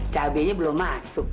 cabainya belum masuk